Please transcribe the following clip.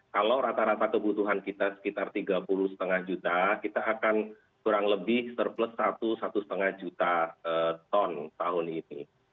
kalau rata rata kebutuhan kita sekitar tiga puluh lima juta kita akan kurang lebih surplus satu satu lima juta ton tahun ini